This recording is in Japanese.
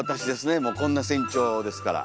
もうこんな身長ですから。